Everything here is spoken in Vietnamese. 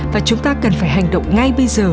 và chúng ta cần phải hành động ngay bây giờ